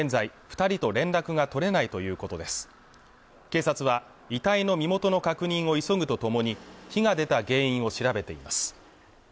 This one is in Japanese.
警察は遺体の身元の確認を急ぐとともに火が出た原因を調べています